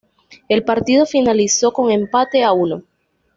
El partido finalizó con empate a uno.